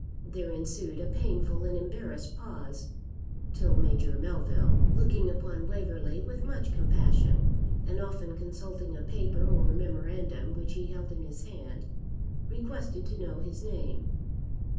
There ensued a painful and embarrassed pause, till Major Melville, looking upon Waverley with much compassion, and often consulting a paper or memorandum which he held in his hand, requested to know his name.